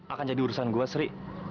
akan jadi urusan gue sri